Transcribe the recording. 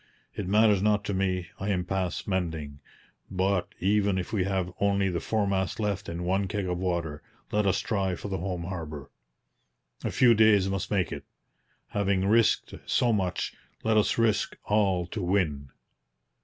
'It matters not to me. I am past mending; but even if we have only the foremast left and one keg of water, let us try for the home harbour. A few days must make it. Having risked so much, let us risk all to win!'